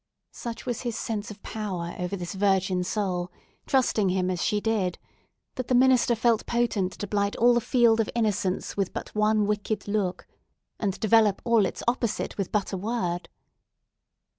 Such was his sense of power over this virgin soul, trusting him as she did, that the minister felt potent to blight all the field of innocence with but one wicked look, and develop all its opposite with but a word.